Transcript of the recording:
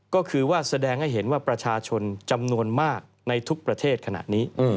ก็คือว่าแสดงให้เห็นว่าประชาชนจำนวนมากในทุกประเทศขณะนี้